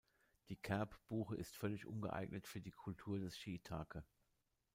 Die Kerb-Buche ist völlig ungeeignet für die Kultur des Shiitake.